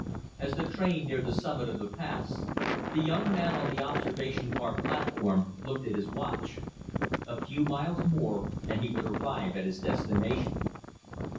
As the train neared the summit of the pass, the young man on the observation car platform looked at his watch. A few miles more and he would arrive at his destination.